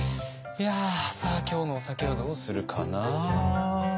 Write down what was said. さあ今日のお酒はどうするかな。